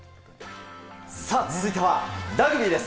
さあ、続いてはラグビーです。